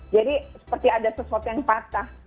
jadi seperti ada sesuatu yang patah